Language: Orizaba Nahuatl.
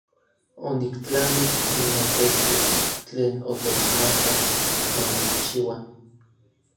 Oniktlamij n notekiu tlen otechmakak ma nikchiua.